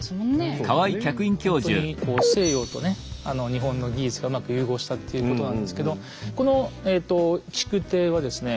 ほんとにこう西洋とね日本の技術がうまく融合したっていうことなんですけどこの築堤はですね